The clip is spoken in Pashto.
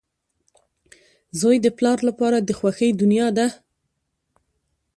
• زوی د پلار لپاره د خوښۍ دنیا ده.